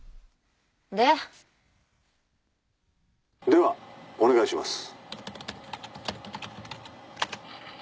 「ではお願いします」